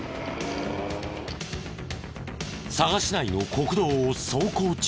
佐賀市内の国道を走行中。